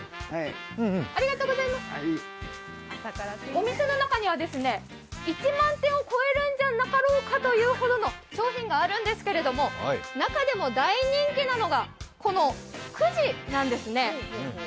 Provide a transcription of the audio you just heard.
お店の中には１万点を超えるんじゃなかろうかというほどの商品があるんですけれども中でも大人気なのがこのくじなんですね。